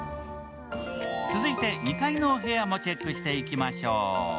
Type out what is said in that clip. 続いて、２階のお部屋もチェックしていきましょう。